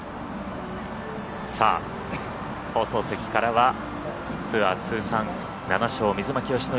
放送席からはツアー通算７勝、水巻善典